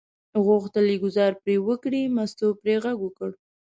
غوښتل یې ګوزار پرې وکړي، مستو پرې غږ وکړ.